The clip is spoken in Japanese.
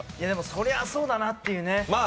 そりゃ、そうだなっていうね